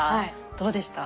どうでした？